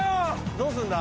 どうすんだ？